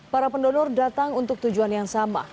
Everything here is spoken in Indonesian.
para pendonor datang untuk tujuan yang sama